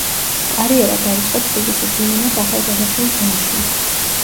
კარიერა დაიწყო თბილისის „დინამოს“ ახალგაზრდულ გუნდში.